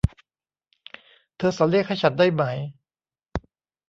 เธอสอนเลขให้ฉันได้ไหม